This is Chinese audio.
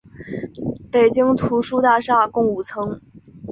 北京图书大厦共五层。